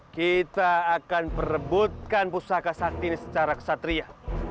kita akan perebutkan pusaka sakti ini secara kesatria